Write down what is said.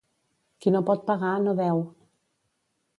Qui no pot pagar, no deu.